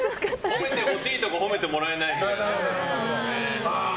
褒めてほしいところ褒めてもらえないみたいな。